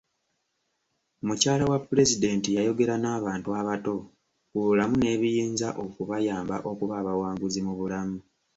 Mukyala wa pulezidenti yayogera n'abantu abato ku bulamu n'ebiyinza okubayamba okuba abawanguzi mu bulamu.